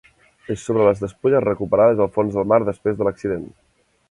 És sobre les despulles recuperades del fons del mar després de l'accident.